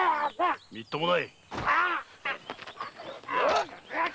みっともない！